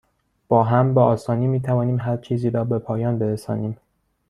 با هم، به آسانی می توانیم هرچیزی را به پایان برسانیم.